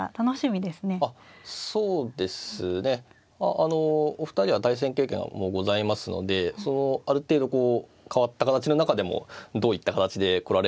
あのお二人は対戦経験もございますのである程度こう変わった形の中でもどういった形で来られるのかを研究されてると思いますね。